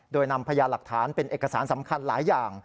โดยนำพยานหลักฐานเป็นเอกสารสำคัญหลายอย่าง